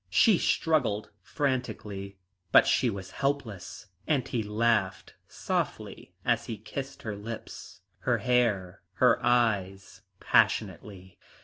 She struggled frantically, but she was helpless, and he laughed softly as he kissed her lips, her hair, her eyes passionately.